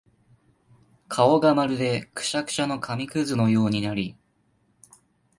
顔がまるでくしゃくしゃの紙屑のようになり、